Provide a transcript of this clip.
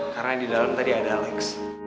karena di dalem tadi ada alex